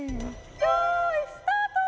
よいスタート！